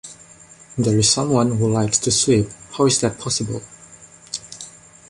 There is someone who likes to sweep, how is that possible?